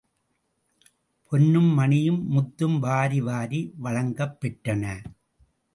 பொன்னும் மணியும் முத்தும் வாரி வாரி வழங்கப் பெற்றன.